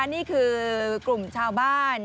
นี่คือกลุ่มชาวบ้าน